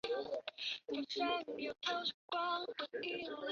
雄蝶有第二性征。